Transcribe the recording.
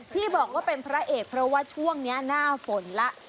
ที่บอกว่าเป็นพระเอกเพราะว่าช่วงนี้หน้าฝนแล้ว